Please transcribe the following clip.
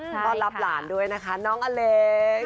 ต้อนรับหลานด้วยนะคะน้องอเล็ก